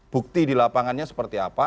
bukti di lapangannya seperti apa